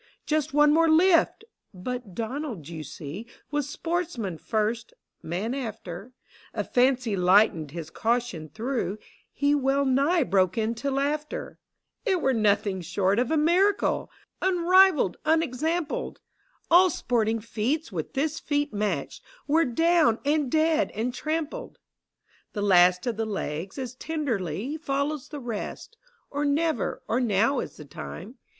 Just one more lift ! But Donald, you see, Was sportsman first, man after : A fancy lightened his caution through, — He wellnigh broke into laughter :" It were nothing short of a miracle ! Unrivalled, unexampled — All sporting feats with this feat matched Were down and dead and trampled !" DONALD. 87 The last of the legs as tenderly Follows the rest : or never Or now is the time!